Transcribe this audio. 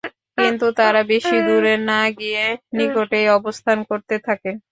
কিন্তু তারা বেশি দূরে না গিয়ে নিকটেই অবস্থান করতে থাকে।